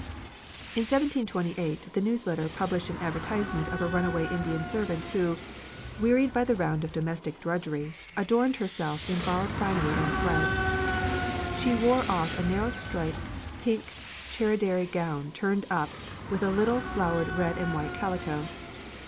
In 1728 the News Letter published an advertisement of a runaway Indian servant who, wearied by the round of domestic drudgery, adorned herself in borrowed finery and fled: "She wore off a Narrow Stript pinck cherredary Gown turned up with a little floured red and white Callico.